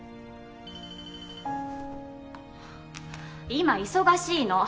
今忙しいの。